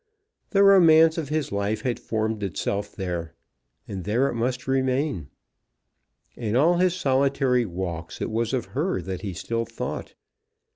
The romance of his life had formed itself there, and there it must remain. In all his solitary walks it was of her that he still thought.